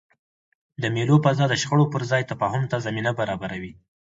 د مېلو فضا د شخړو پر ځای تفاهم ته زمینه برابروي.